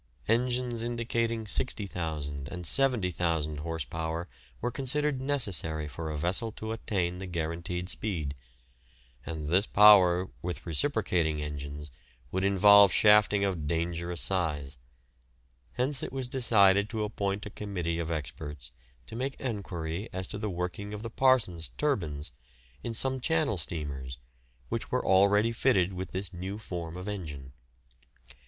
Engines indicating 60,000 and 70,000 horse power were considered necessary for a vessel to attain the guaranteed speed, and this power with reciprocating engines would involve shafting of dangerous size; hence it was decided to appoint a committee of experts to make enquiry as to the working of the "Parsons'" turbines in some channel steamers which were already fitted with this new form of engine.